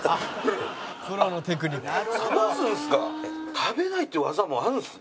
食べないっていう技もあるんですね。